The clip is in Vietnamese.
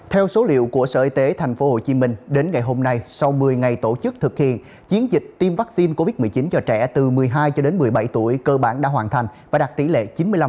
theo số liệu của sở y tế tp hcm đến ngày hôm nay sau một mươi ngày tổ chức thực hiện chiến dịch tiêm vaccine covid một mươi chín cho trẻ từ một mươi hai cho đến một mươi bảy tuổi cơ bản đã hoàn thành và đạt tỷ lệ chín mươi năm